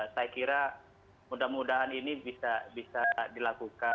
saya kira mudah mudahan ini bisa dilakukan